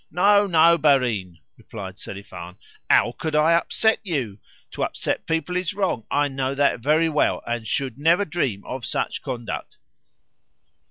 "No, no, barin," replied Selifan. "HOW could I upset you? To upset people is wrong. I know that very well, and should never dream of such conduct."